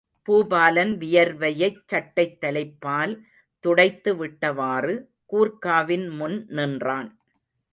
பூபாலன் வியர்வையைச் சட்டைத் தலைப்பால் துடைத்து விட்டவாறு, கூர்க்காவின் முன் நின்றான்.